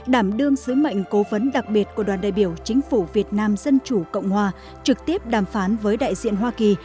đảm đương sứ mệnh cố vấn đặc biệt của đoàn đại biểu chính phủ việt nam dân chủ cộng hòa trực tiếp đàm phán với đại diện hoa kỳ